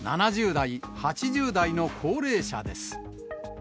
７０代、８０代の高齢者です。